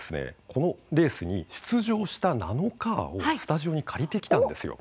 このレースに出場した「ナノカー」をスタジオに借りてきたんですよ。